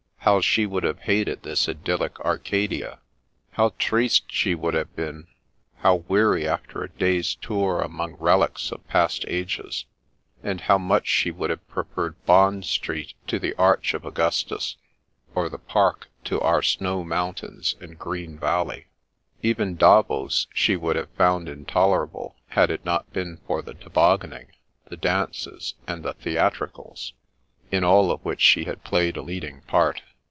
How she would have hated this idyllic Arcadia! How triste she would have been; how weary after a day's tour among relics of past ages ; and how much she would have preferred Bond Street to the Arch of Augus tus, or the park to our snow mountains and green valley f Even Davos she would have found intoler able had it not been for the tobogganing, the dances and the theatricals, in all of which she had played a leading part.